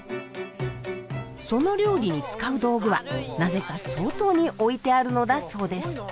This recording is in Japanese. その料理に使う道具はなぜか外に置いてあるのだそうです。